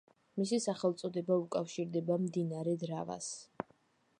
მისი სახელწოდება უკავშირდება მდინარე დრავას.